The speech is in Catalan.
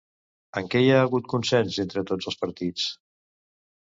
En què hi ha hagut consens entre tots els partits?